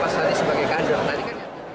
pak sandi sebagai kandor